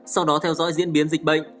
sau đó theo dõi diễn biến dịch bệnh